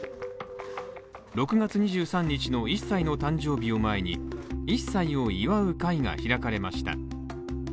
６月２３日の１歳の誕生日を前に、１歳を祝う会が開かれました。